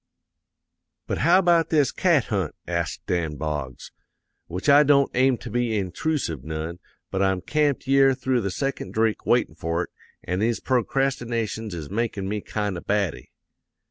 "'But how about this cat hunt?' asks Dan Boggs. 'Which I don't aim to be introosive none, but I'm camped yere through the second drink waitin' for it, an' these procrastinations is makn' me kind o' batty.'